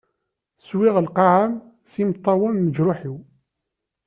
Swiɣ lqaɛa-m s yimeṭṭawen n leǧruḥ-iw.